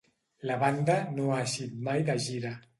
La banda no ha eixit mai de gira.